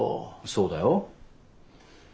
そうだよ？